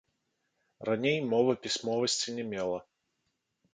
Раней мова пісьмовасці не мела.